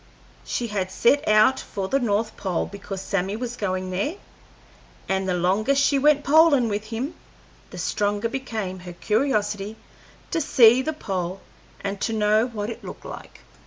She had set out for the north pole because Sammy was going there, and the longer she went "polin'" with him, the stronger became her curiosity to see the pole and to know what it looked like.